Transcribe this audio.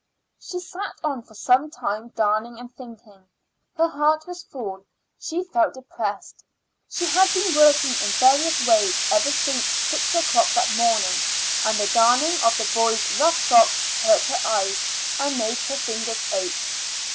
She sat on for some time darning and thinking. Her heart was full; she felt depressed. She had been working in various ways ever since six o'clock that morning, and the darning of the boys' rough socks hurt her eyes and made her fingers ache.